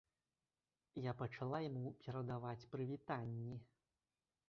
Я пачала яму перадаваць прывітанні.